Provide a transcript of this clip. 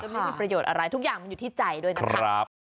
ไม่มีประโยชน์อะไรทุกอย่างมันอยู่ที่ใจด้วยนะคะ